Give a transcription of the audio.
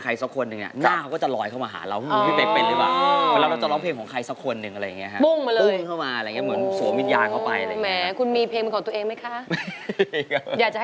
คุณเต้ร้องได้ครับ